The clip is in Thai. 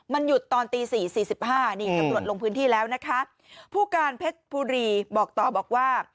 มันหยุดตอนตี๔๔๕ตรวจลงพื้นที่แล้วนะคะผู้การเพชรพุรีบอกต่อบอกว่า